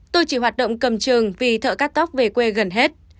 tôi chỉ hoạt động cầm trường vì thợ cắt tóc về quê gần hết